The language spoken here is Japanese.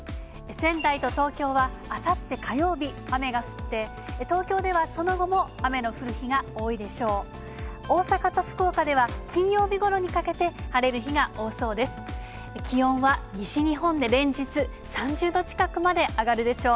仙台と東京は、あさって火曜日、雨が降って、東京ではその後も雨の降る日が多いでしょう。